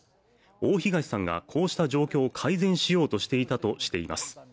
大東さんがこうした状況を改善しようとしていたとしています。